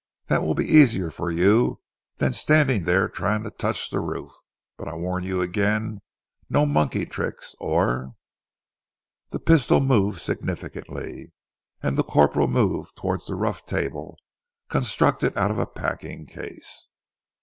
That will be easier for you than standing there trying to touch the roof, but I warn you again no monkey tricks or " The pistol moved significantly, and the corporal moved towards the rough table, constructed out of a packing case.